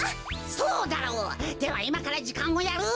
そうだろう！ではいまからじかんをやる。